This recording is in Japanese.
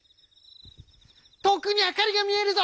「とおくにあかりがみえるぞ！」。